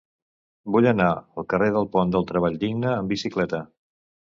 Vull anar al carrer del Pont del Treball Digne amb bicicleta.